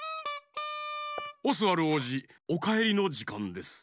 オスワルおうじおかえりのじかんです。